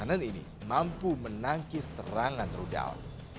kanan ini mampu menangkis serangan rudal